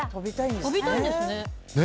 飛びたいんですね。